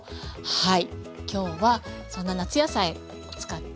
はい。